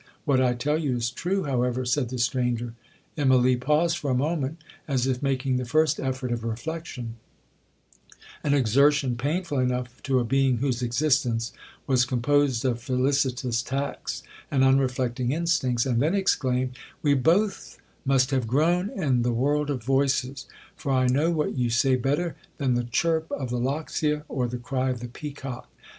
'—'What I tell you is true, however,' said the stranger. Immalee paused for a moment, as if making the first effort of reflection—an exertion painful enough to a being whose existence was composed of felicitous tacts and unreflecting instincts—and then exclaimed, 'We both must have grown in the world of voices, for I know what you say better than the chirp of the loxia, or the cry of the peacock.